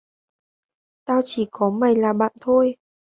Tao chỉ có mày là bạn thôi